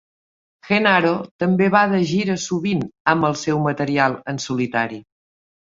Genaro també va de gira sovint amb el seu material en solitari.